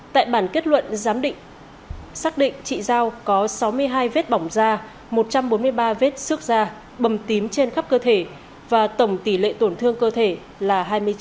tại bản kết luận giám định xác định chị giao có sáu mươi hai vết bỏng da một trăm bốn mươi ba vết xước da bầm tím trên khắp cơ thể và tổng tỷ lệ tổn thương cơ thể là hai mươi chín